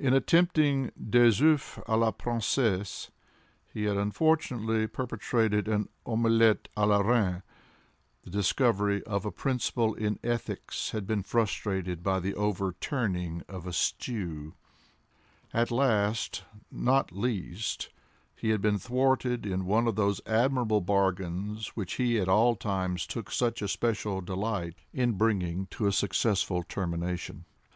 In attempting des oeufs à la Princesse, he had unfortunately perpetrated an omelette à la Reine; the discovery of a principle in ethics had been frustrated by the overturning of a stew; and last, not least, he had been thwarted in one of those admirable bargains which he at all times took such especial delight in bringing to a successful termination.